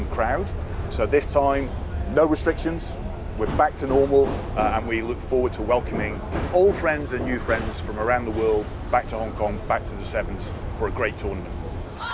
jadi kali ini tidak ada restriksi kita kembali ke normal dan kami menarik teman teman tua dan baru dari seluruh dunia kembali ke hongkong ke sevens untuk pertandingan yang bagus